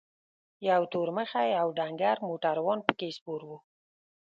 یو تور مخی او ډنګر موټروان پکې سپور و.